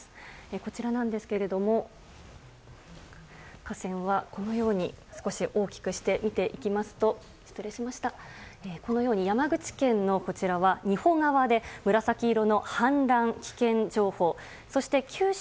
こちらなんですけれども河川は、このように少し大きくして見ていきますとこのように山口県の仁保川で紫色の氾濫危険情報。